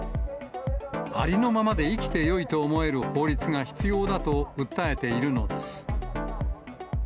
ありのままで生きてよいと思える法律が必要だと訴えているのです。